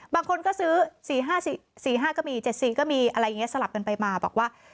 บางคนก็ซื้อ๔๕ก็มี๗๔ก็มีอะไรอย่างนี้สลับกันไปมาบอกว่า